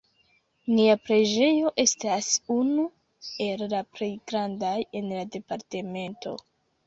Nia preĝejo estas unu el la plej grandaj en la departamento.